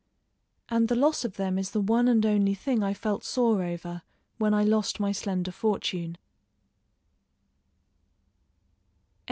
And the loss of them is the one and only thing I felt sore over when I lost my slender fortune.